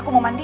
aku mau mandi